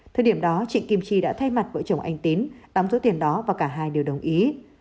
thời điểm đó trịnh kim chi đã thay mặt vợ chồng anh tín tám số tiền đó và cả hai đều đồng ý